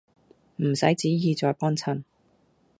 唔使旨意再幫襯